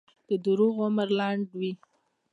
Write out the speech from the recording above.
د دروغو عمر لنډ وي.